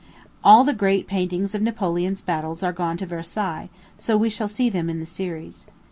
All the great paintings of Napoleon's battles are gone to Versailles; so we shall see them in the series.